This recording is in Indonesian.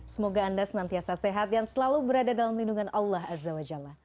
semoga anda senantiasa sehat dan selalu berada dalam lindungan allah azza wa jalla